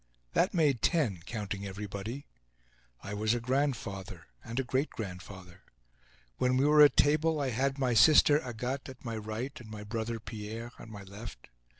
That made ten, counting everybody. I was a grandfather and a great grandfather. When we were at table I had my sister, Agathe, at my right, and my brother, Pierre, at my left.